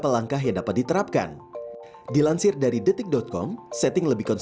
lantasan akun facebook